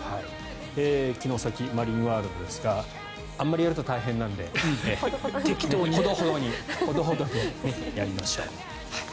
城崎マリンワールドですがあまりやると大変なのでほどほどにやりましょう。